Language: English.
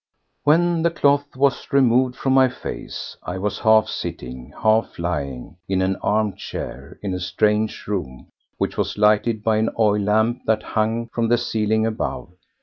When the cloth was removed from my face I was half sitting, half lying, in an arm chair in a strange room which was lighted by an oil lamp that hung from the ceiling above.